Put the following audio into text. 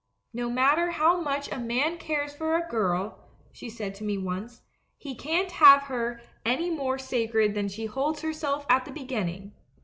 'No matter how much a man cares for a girl,' she said to me once, 'he can't hold her any more sacred than she holds herself at the beginning.